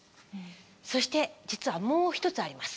そして実はもう一つあります。